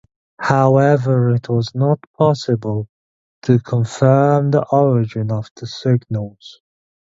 However, it was not possible to confirm the origin of the signals.